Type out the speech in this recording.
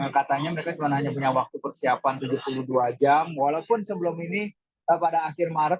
katanya mereka cuma hanya punya waktu persiapan tujuh puluh dua jam walaupun sebelum ini pada akhir maret